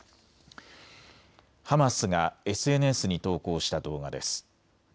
ハマスがＳＮＳに投稿した動画です。